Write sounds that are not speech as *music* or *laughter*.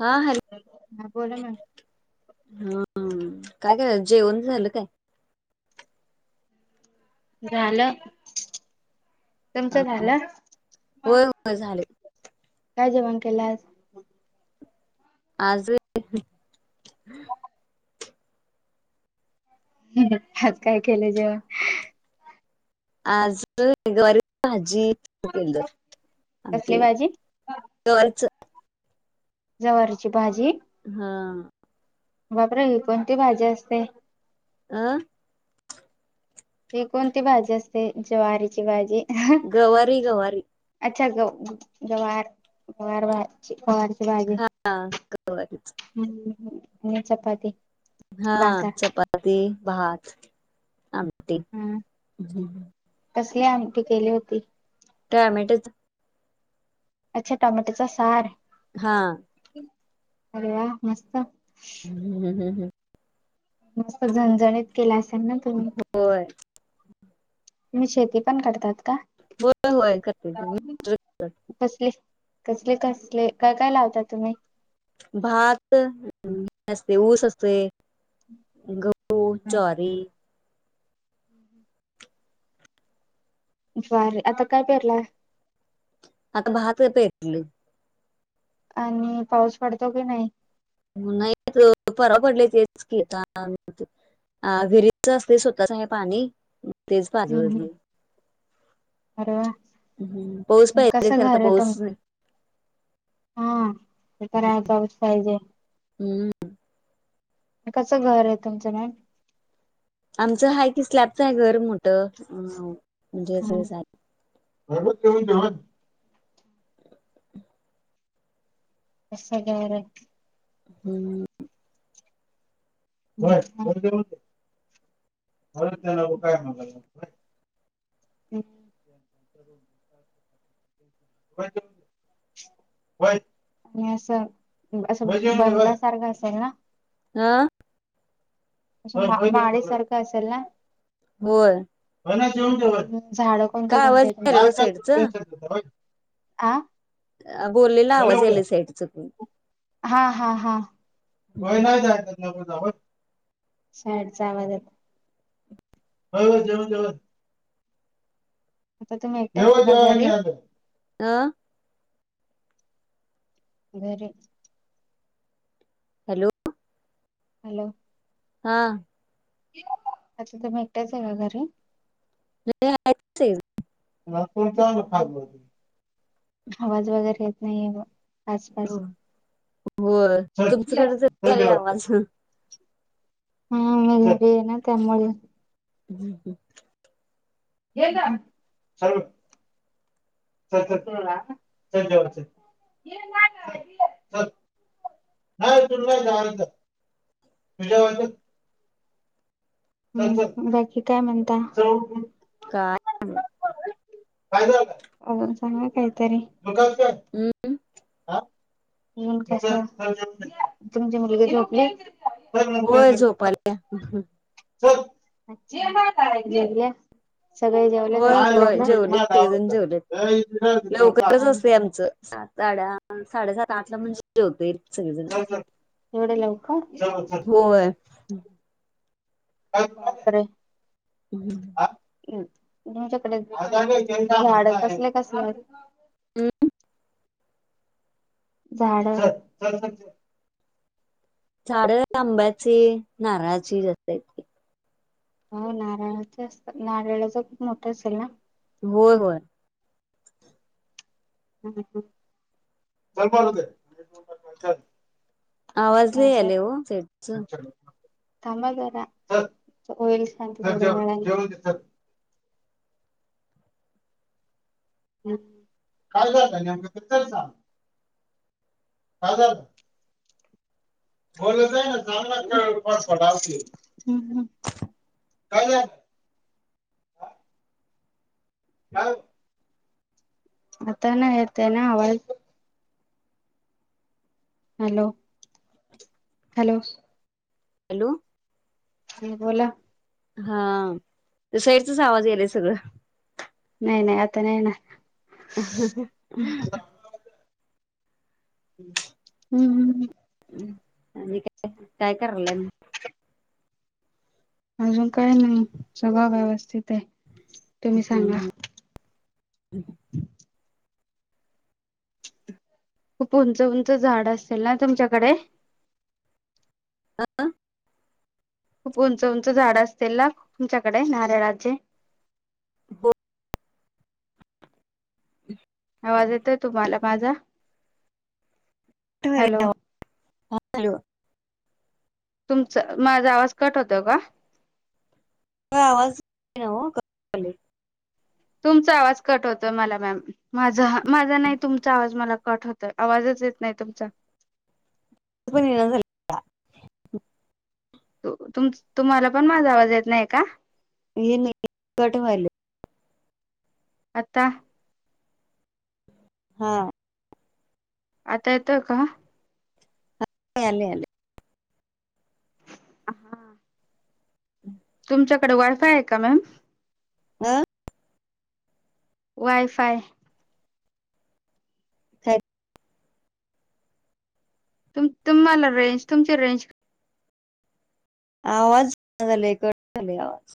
हा हॅलो? ह बोला मॅडम. हम्म काय काय जेवन झालं काय? *unintelligible* झालं. तुमचं झालं? होय होय झाले काय जेवण केल आज? आज आज काय केलं जेवण? आजून गरीब कसली भाजी *unintelligible* *unintelligible* गवारीची भाजी हा. बाप र कोणती भाजी असते. आ.. हे कोणती भाजी असते, ज्वारीची भाजी? गवारी, गवारी, अच्छा, ग गवार, गवार, भाजी हा गच *unintelligible* चपाती हा भाकर चपाती, भात, आ टी हा हम. कसली आमटी केली होती? टँमटच. अच्छा टमॅटोचा सार हा. अरे वा मस्त. हम् ह् हम् हम्म *unintelligible* मस्त झणझणीत केल्या होय. मी शेती पण करतात का? होय होय करते की बसले कसले, कसले, काय काय लावता तुम्ही? भात असते, ऊस असते, गहू, ज्वारी बर आता काय परला *unintelligible* आता भात प येतल *unintelligible* आणि पाऊस पडतो की नाही? नाही परराव पडले तेच की. अ विहिरीच असते, स्वतःच आहे पाणी तेच पाजल. अरे वा! हम्म पाऊस पाहिजे कसं खर तर घर आहे तुम पाऊस नाही. हा ते तर पाऊस पाहिजे. हम्म. कसं घर आहे तुमचं मॅम? आमचं हाय कि स्लॅबच आहे घर मोठं अ म्हणजे अस *unintelligible* अस घर आहे. हूं *unintelligible* *inaudible* *unintelligible* आणि असं असं बंगल्या सारखं असेल ना? अं! *unintelligible* होय. काय आवाज यायलाय ओ साईडचा *unintelligible* अ बोललेला होय आवाज लवकर. याला साईड चकून. हा हा हा. *unintelligible* *unintelligible* अं? घरी. हॅलो. हॅलो. हा. आता तुम्ही एकट्याच आहे का घरी? नाही आहेत कि ते. आवाज वगैरे येत नाहीये. आसपास. होय तुमच्याकडे तर यायलाय आवाज हा मल ये ना तेमुळे. *unintelligible* हू हू ये गं. *unintelligible* स *unintelligible* ये ना गं. *unintelligible* *unintelligible* बाकी काय म्हणता? *unintelligible* काय नाय बघ. अजून सांगा काहीतरी? *unintelligible* हू *unintelligible* नंतर होय चल, झोपाला. होय *unintelligible* होय जेवले सगळेजण जेवलेत. *unintelligible* साड्या साडेसात आठ ला म्हणजे जेवते ये. *unintelligible* होय. अरे. *inaudible* तुमच्याकडे झाड कसले कसले आहे. हम्म झाड झाड आंब्याची नारळाची जास्त आहे. हो नारळाच असत नारळाच खूप मोठा असेल ना होय होय हहह आवाज आवाज लय आल्यावर यांचे थांबा जरा काय झालं नेमकं काय झालं. बोलत जा काय ग काय आता नाही येत ना आवाज हॅलो हॅलो हॅलो ह बोला हा साईटचाआवाज येलाय सगळं नाही नाही आता नाही ना हहह हम्म हम्म काय करताय अजून काही नाही सगळं व्यवस्थित आहे. तुम्ही सांगा. हम्म ह् खूप उंच उंच झाड असतीलल ना तुमच्याकडे आहे खूप उंच उंच झाड असतील ना तुमच्याकडे नारळाचे. हो आवाज येतोय तुम्हाला माझा तुम्हाला हॅलो काय वाटतं. तुमचा माझा आवाज कट होतो का आवाज तुमचा आवाज कट होत मला मॅम माझा माझा नाही तुमचा आवाज मला कट होत आवाज येत नाही तुमचा पण झाल का तुम्हाला पण माझा आवाज येत नाही का हे नाही कट व्हायला आत्ता हा आता येतंय का आले आले. हा तुमच्याकडे वायफाय आहे का मॅम आं वयफाय आहेत. तु तुम्हाला रेंज तुमची रेंज आवाज झाले क झाले आवाज